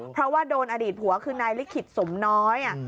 เพราะว่าโดนอดีตผัวคือนายลิขิตสมน้อย